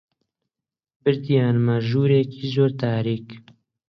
بردیانمە ژوورێکی زۆر تاریک